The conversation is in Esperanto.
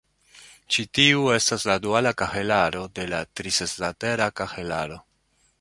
Ĉi tiu estas la duala kahelaro de la tri-seslatera kahelaro.